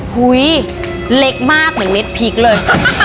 หุ้ยเล็กมากเหมือนเม็ดพีคเลย